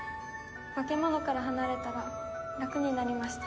化け物から離れたら楽になりました。